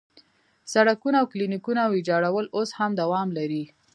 سړکونه او کلینیکونه ویجاړول اوس هم دوام لري.